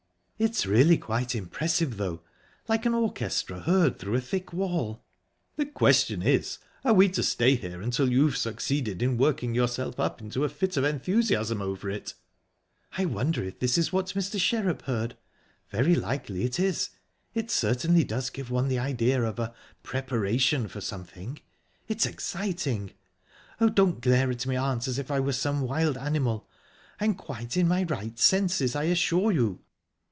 "It's really quite impressive, though. Like an orchestra heard through a thick wall." "The question is, are we to stay here until you've succeeded in working yourself up into a fit of enthusiasm over it?" "I wonder if this is what Mr. Sherrup heard? Very likely it is. It certainly does give one the idea of a preparation for something. It's exciting...oh, don't glare at me, aunt, as if I were some wild animal I'm quite in my right senses, I assure you."